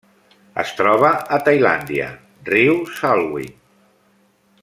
Es troba a Tailàndia: riu Salween.